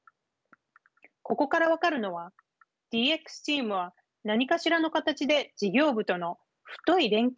ここから分かるのはＤＸチームは何かしらの形で事業部との太い連携